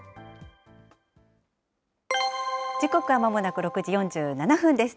時刻はまもなく６時４７分です。